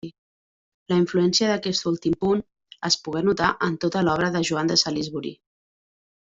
La influència d'aquest últim punt es pogué notar en tota l'obra de Joan de Salisbury.